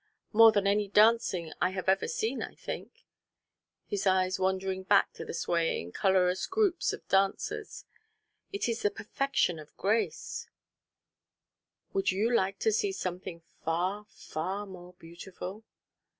"More than any dancing I have ever seen, I think," his eyes wandering back to the swaying colorous groups of dancers. "It is the perfection of grace " "Would you like to see something far, far more beautiful?"